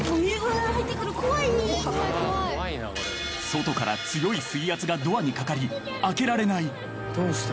［外から強い水圧がドアにかかり開けられない］